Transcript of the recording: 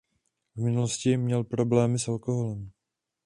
V minulosti měl problémy s alkoholem.